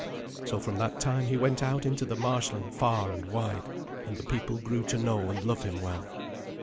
So from that time he went out into the marshland far and wide, and the people grew to know and love him well.